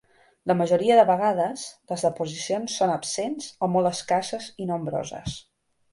La majoria de vegades, les deposicions són absents o molt escasses i nombroses.